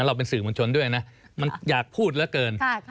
เราเป็นสื่อปรุญชนด้วยมันอยากพูดแรกเกิน